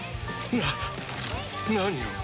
な何を。